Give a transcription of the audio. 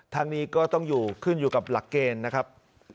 ทางนี้ก็ต้องอยู่ขึ้นอยู่กับหลักเกณฑ์นะครับ